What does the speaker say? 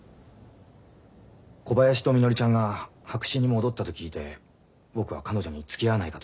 小林とみのりちゃんが白紙に戻ったと聞いて僕は彼女につきあわないかと言いました。